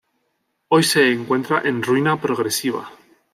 Hoy se encuentra en ruina progresiva.